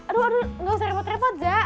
aduh aduh enggak usah repot repot za